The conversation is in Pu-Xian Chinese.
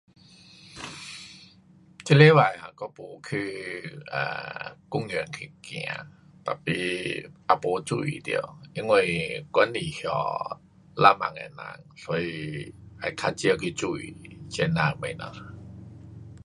um 这礼拜啊我没去公园去走。tapi 也没注意到，因为我不那浪漫的人，所以会较少去注意这那东西。